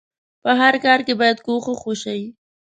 په هر کار کې بايد کوښښ وشئ.